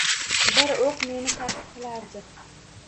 Bir oʻq meni taʼqib qilardi